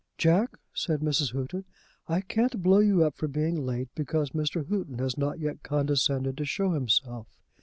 "Jack," said Mrs. Houghton, "I can't blow you up for being late, because Mr. Houghton has not yet condescended to shew himself.